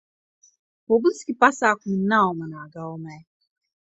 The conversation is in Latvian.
Publiski pasākumi nav manā gaumē!